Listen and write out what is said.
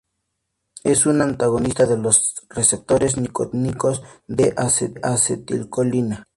Es un antagonista de los receptores nicotínicos de acetilcolina.